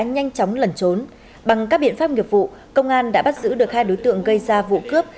nhanh chóng lẩn trốn bằng các biện pháp nghiệp vụ công an đã bắt giữ được hai đối tượng gây ra vụ cướp